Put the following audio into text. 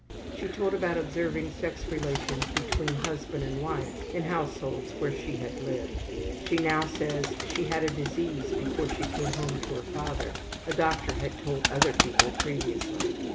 She told about observing sex relations between husband and wife in households where she had lived. She now says she had a disease before she came home to her father a doctor had told other people previously.